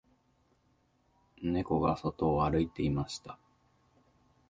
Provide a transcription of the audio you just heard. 猫が外を歩いていました